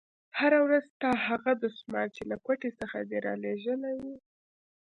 هره ورځ ستا هغه دسمال چې له کوټې څخه دې رالېږلى و.